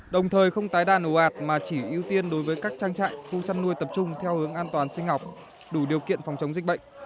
đồng thời không tái đàn ồ ạt mà chỉ ưu tiên đối với các trang trại khu chăn nuôi tập trung theo hướng an toàn sinh học đủ điều kiện phòng chống dịch bệnh